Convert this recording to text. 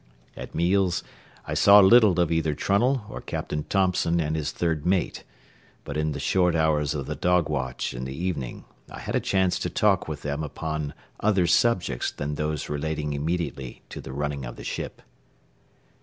At meals I saw little of either Trunnell or Captain Thompson and his third mate, but in the short hours of the dog watch in the evening I had a chance to talk with them upon other subjects than those relating immediately to the running of the ship.